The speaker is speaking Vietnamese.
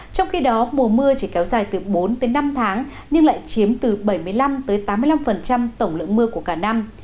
trong khi đó mùa mưa chỉ kéo dài từ bốn năm tháng nhưng lại chiếm từ bảy mươi năm tám mươi năm tổng lượng mưa của cả năm